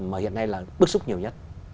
mà hiện nay là bức xúc nhiều nhất